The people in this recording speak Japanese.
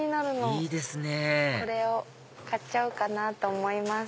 いいですねぇこれを買っちゃおうかなと思います。